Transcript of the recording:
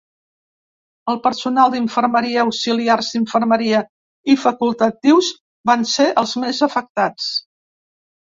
El personal d’infermeria, auxiliars d’infermeria i facultatius van ser els més afectats.